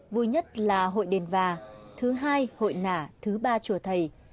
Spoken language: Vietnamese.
vui nhất là hội đền và thứ hai hội nà thứ ba chùa thầy